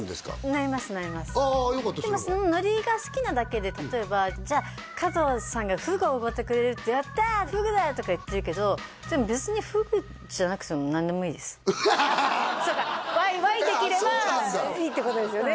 なりますなりますでもそのノリが好きなだけで例えばじゃあ加藤さんがフグおごってくれるってやったフグだ！とか言ってるけどでも別にそっかワイワイできればいいってことですよね